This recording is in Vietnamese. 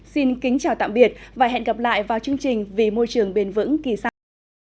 xin kính chào tạm biệt và hẹn gặp lại vào chương trình vì môi trường bền vững kỳ sau